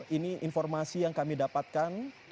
ini informasi yang kami dapatkan